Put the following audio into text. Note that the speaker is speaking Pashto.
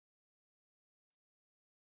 تاریخ د خپل ولس د سولې لامل دی.